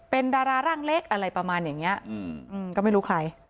เป็นดาราร่างเล็กอะไรประมาณอย่างนี้ก็ไม่รู้ใคร